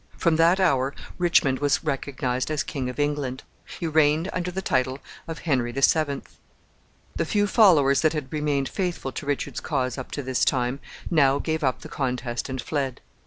From that hour Richmond was recognized as King of England. He reigned under the title of Henry the Seventh. [Illustration: KING HENRY VII.] The few followers that had remained faithful to Richard's cause up to this time now gave up the contest and fled.